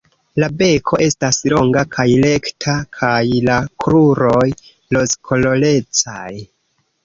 La beko estas longa kaj rekta kaj la kruroj rozkolorecaj.